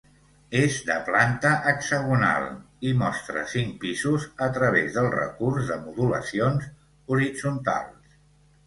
És de planta hexagonal i mostra cinc pisos a través del recurs de modulacions horitzontals.